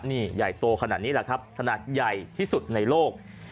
นี่ใหญ่โตขนาดนี้แหละครับขนาดใหญ่ที่สุดในโลก